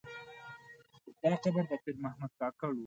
دا قبر د پیر محمد کاکړ و.